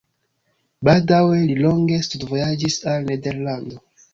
Baldaŭe li longe studvojaĝis al Nederlando.